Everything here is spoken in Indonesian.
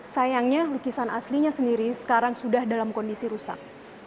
sayangnya lukisan aslinya sendiri sekarang sudah dalam kondisi rusak